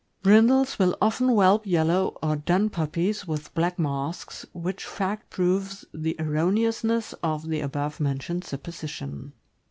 .Brindles will often whelp yellow or dun puppies with black masks, which fact proves the erroneousness of the above mentioned supposition.